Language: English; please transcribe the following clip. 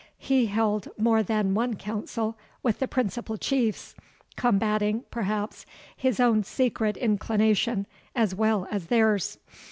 He held more than one council with the principal Chiefs, combating, perhaps, his own secret inclination as well as theirs.